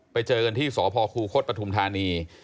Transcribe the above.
ไปเจอเงินที่สพคปฐุมธานี